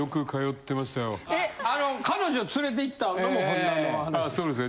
え彼女連れて行ったのもほんまの話ですか？